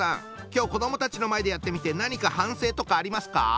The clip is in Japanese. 今日子どもたちの前でやってみて何か反省とかありますか？